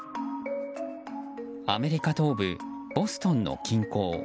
アメリカ東部ボストンの近郊。